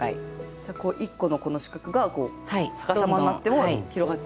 じゃあ１個のこの四角が逆さまになっても広がっていくよという。